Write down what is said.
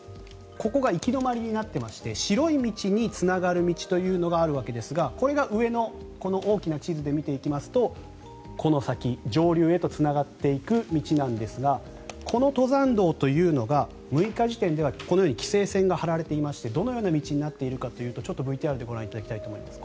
ここが行き止まりになっていまして白い道につながる道というのがあるわけですがこれが上のこの大きな地図で見ていきますとこの先、上流へとつながっていく道なんですがこの登山道というのが６日時点ではこのように規制線が張られていましてどのような道になっているのかというとＶＴＲでご覧いただきたいと思います。